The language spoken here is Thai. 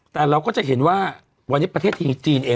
แต่เราก็จะเห็นว่าวันนี้ประเทศจีนเอง